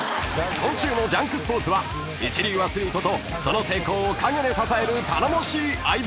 ［今週の『ジャンクＳＰＯＲＴＳ』は一流アスリートとその成功を陰で支える頼もしい相棒］